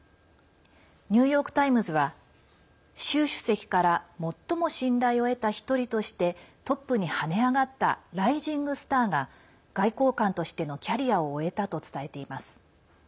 ニューヨーク・タイムズは習主席から最も信頼を得た一人としてトップに跳ね上がったライジングスターが外交官としてのキャリアを終えたと伝えています。